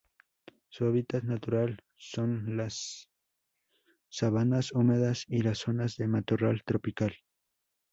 Su hábitat natural son los sabanas húmedas y las zonas de matorral tropical.